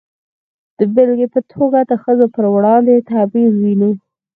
د بېلګې په توګه د ښځو پر وړاندې تبعیض وینو.